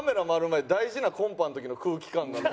前大事なコンパの時の空気感。